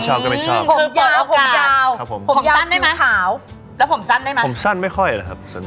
ห่วงก็โอเคครับอ่า